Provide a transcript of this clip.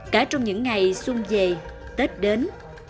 cả trong những ngày xuân về tết đến